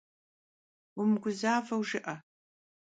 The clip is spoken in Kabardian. Vumıguzaveu jjı'e!